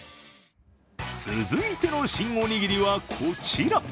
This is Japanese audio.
続いての新おにぎりは、こちら。